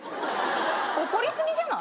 怒り過ぎじゃない？